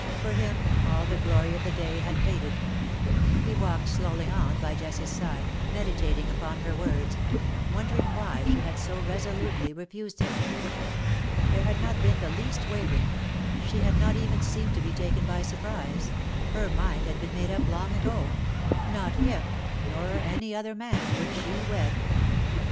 For him all the glory of the day had faded. He walked slowly on 184 IN SOCIETY. by Jessicas side, meditating upon her words — won dering why she had so resolutely refused him. There had been not the least wavering — she had not even seemed to be taken by surprise — her mind had been made up long ago — not him, nor any other man, would she wed.